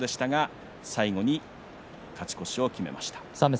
最後に、勝ち越しを決めました。